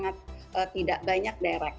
kita tuh masih banyak pekerjaan lain